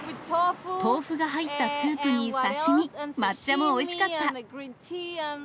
豆腐が入ったスープに刺身、抹茶もおいしかった。